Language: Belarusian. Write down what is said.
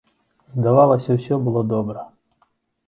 Здавалася, усё было добра.